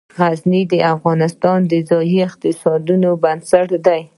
غزني د افغانستان د ځایي اقتصادونو بنسټ دی.